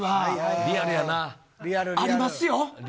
リアル、リアル。ありますよ。